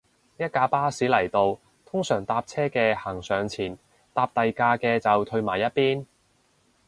一架巴士嚟到，通常搭車嘅行上前，搭第架嘅就褪埋一邊